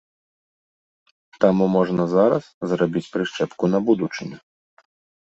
Таму можна зараз зрабіць прышчэпку на будучыню.